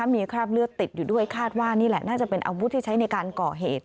มีคราบเลือดติดอยู่ด้วยคาดว่านี่แหละน่าจะเป็นอาวุธที่ใช้ในการก่อเหตุ